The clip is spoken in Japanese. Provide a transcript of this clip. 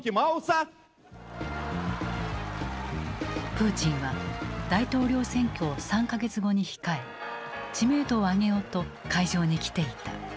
プーチンは大統領選挙を３か月後に控え知名度を上げようと会場に来ていた。